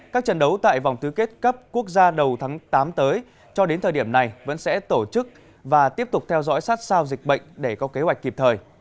các trận đấu tại vòng tứ kết cấp quốc gia đầu tháng tám tới cho đến thời điểm này vẫn sẽ tổ chức và tiếp tục theo dõi sát sao dịch bệnh để có kế hoạch kịp thời